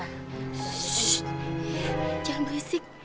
shhh jangan berisik